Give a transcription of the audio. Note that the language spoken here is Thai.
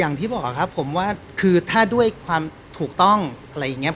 อย่างที่บอกครับผมว่าคือถ้าด้วยความถูกต้องอะไรอย่างเงี้